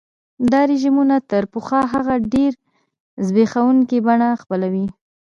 دا رژیمونه تر پخوا هغه ډېره زبېښونکي بڼه خپلوي.